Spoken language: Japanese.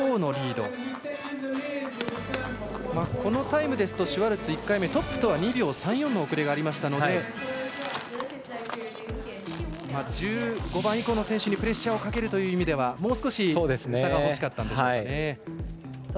このタイムですとシュワルツ、１回目トップとは２秒３４の遅れがありましたので１５番以降の選手にプレッシャーをかけるという意味ではもう少し差が欲しかったでしょうかね。